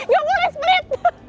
gak boleh split